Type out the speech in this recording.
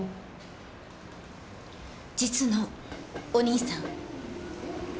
実のお兄さん。